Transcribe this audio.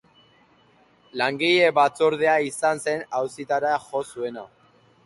Langile batzordea izan zen auzitara jo zuena.